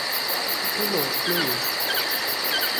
খুলো, প্লিজ!